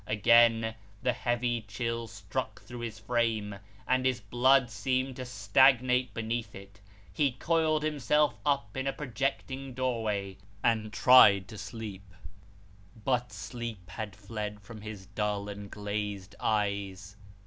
Again that heavy chill struck through his frame, and his blood seemed to stagnate beneath it. He coiled himself up in a projecting doorway, and tried to sleep. But sleep had fled from his dull and glazed eyes.